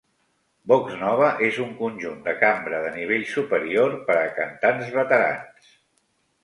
Vox Nova és un conjunt de cambra de nivell superior per a cantants veterans.